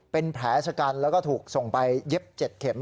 เป็นแผลชะกันแล้วก็ถูกส่งไปเย็บ๗เข็ม